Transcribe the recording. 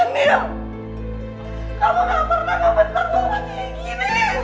kamu nggak pernah ngebentak mama kayak gini